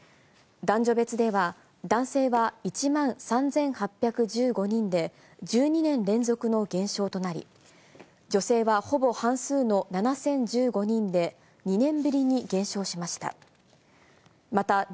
男女別では、男性は１万３８１５人で、１２年連続の減少となり、女性はほぼ半数の７０１５人で、２年ぶりに減少しました。